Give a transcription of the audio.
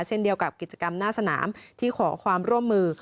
เช่นเดียวกับกิจกรรมหน้าสนามที่ขอความร่วมมือ